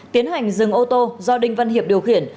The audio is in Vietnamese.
tiến hành dừng ô tô do đinh văn hiệp điều khiển